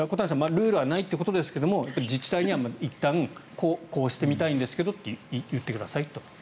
ルールはないということですが自治体にはいったんこうしてみたいんですけどと言ってくださいと。